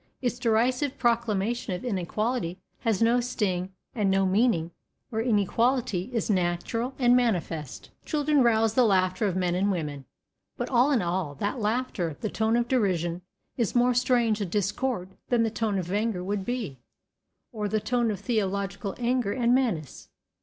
Its derisive proclamation of inequality has no sting and no meaning where inequality is natural and manifest. Children rouse the laughter of men and women; but in all that laughter the tone of derision is more strange a discord than the tone of anger would be, or the tone of theological anger and menace.